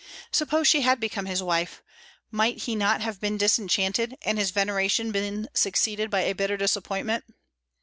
Suppose she had become his wife, might he not have been disenchanted, and his veneration been succeeded by a bitter disappointment?